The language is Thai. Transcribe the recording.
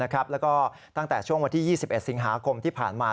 แล้วก็ตั้งแต่ช่วงวันที่๒๑สิงหาคมที่ผ่านมา